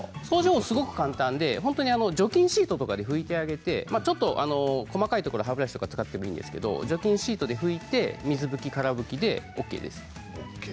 すごく簡単で除菌シートなどで拭いてあげて細かい部分は歯ブラシなどを使ってもいいんですけれど除菌シートで拭いて水拭き、から拭きでＯＫです。